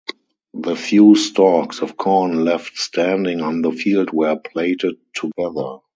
The few stalks of corn left standing on the field were plaited together.